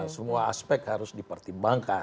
semua aspek harus dipertimbangkan